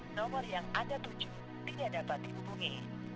nomor yang anda tuju tidak dapat dihubungi